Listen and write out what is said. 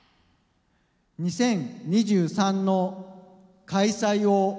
２０２３の開催を。